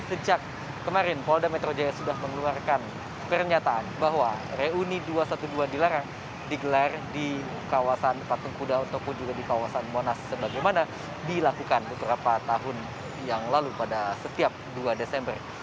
sejak kemarin polda metro jaya sudah mengeluarkan pernyataan bahwa reuni dua ratus dua belas dilarang digelar di kawasan patung kuda ataupun juga di kawasan monas sebagaimana dilakukan beberapa tahun yang lalu pada setiap dua desember